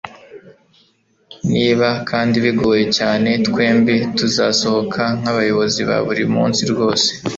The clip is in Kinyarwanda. Niba kandi bigoye cyane, twembi tuzasohoka nkabayobozi ba buri munsi rwose